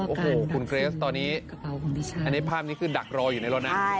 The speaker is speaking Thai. โอ้โหคุณเกรสตอนนี้อันนี้ภาพนี้คือดักรออยู่ในรถนะ